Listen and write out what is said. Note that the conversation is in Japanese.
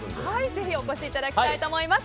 ぜひお越しいただきたいと思います。